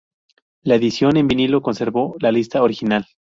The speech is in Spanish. La edición en vinilo conservó la lista original.